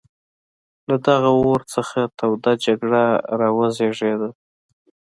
له دغه اور څخه توده جګړه را وزېږېده.